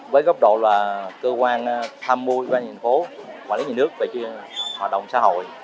với góp độ là cơ quan tham mưu của thành phố quản lý nhà nước về hoạt động xã hội